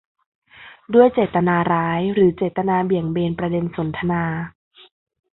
ด้วยเจตนาร้ายหรือเจตนาเบี่ยงเบนประเด็นสนทนา